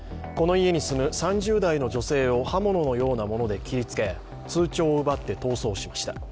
家に住む３０代の女性を刃物のようなもので切りつけ、通帳を奪って逃走しました。